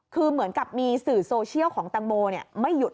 คือเหมือนกับมีสื่อโซเชียลของตังโมไม่หยุด